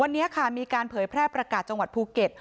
วันนี้ค่ะมีการเผยแพร่ประกาศจังหวัดภูเก็ต